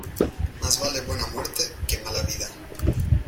Mas vale buena muerte que mala vida.